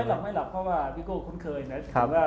หลับไม่หลับเพราะว่าพี่โก้คุ้นเคยนะ